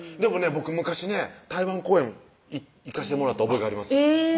僕昔ね台湾公演行かしてもらった覚えがあります